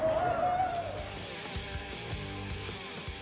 โอ้โอ้